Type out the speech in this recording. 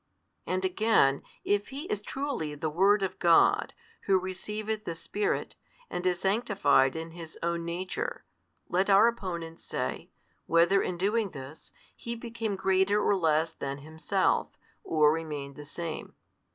And again, if He is truly the Word of God, Who receiveth the Spirit, and is sanctified in His Own Nature, let our opponents say, whether in doing this, He became greater or less than Himself, or remained the Same.